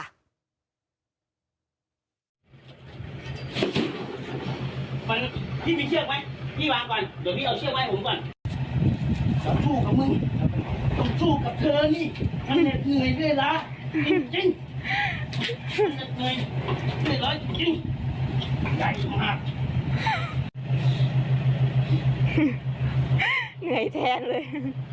เหนื่อยแทนเลย